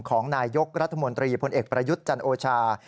ของนายยกรัฐมนตรีพลเอกประยุทธ์จันโอชา